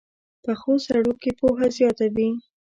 پخو سړو کې پوهه زیاته وي